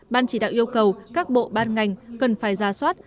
ban chỉ đạo yêu cầu các bộ ban ngành cần phải ra soát